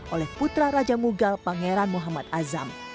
oleh putra raja mugal pangeran muhammad azam